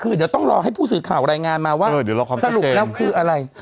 คือเดี๋ยวต้องรอให้ผู้สื่อข่าวรายงานมาว่าสรุปแล้วคืออะไร